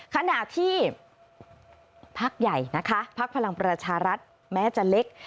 ขณะที่พักใหญ่นะคะพักพลังประชารัฐแม้จะเล็ก